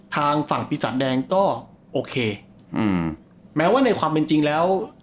ทางฝั่งปีศาจแดงก็โอเคอืมแม้ว่าในความเป็นจริงแล้ว